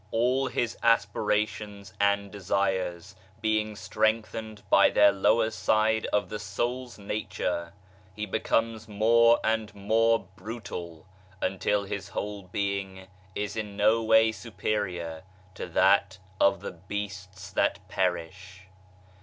All his aspirations and desires being strengthened by the lower side of the soul's nature, he becomes more and more brutal, until his whole being is in no way superior to that of the beasts that perish.